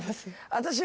私は。